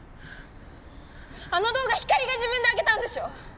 あの動画ひかりが自分で上げたんでしょ？